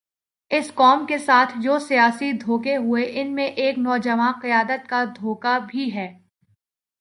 اس قوم کے ساتھ جو سیاسی دھوکے ہوئے، ان میں ایک نوجوان قیادت کا دھوکہ بھی ہے۔